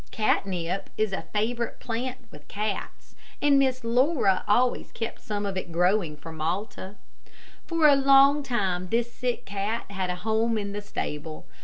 Catnip is a favorite plant with cats, and Miss Laura always kept some of it growing for Malta. For a long time this sick cat had a home in the stable.